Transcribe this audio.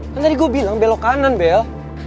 kan tadi gue bilang belok kanan bel